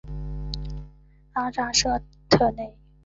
阿扎沙特内。